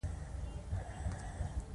په ختیځ کې د دې اغېز ډېر لږ و.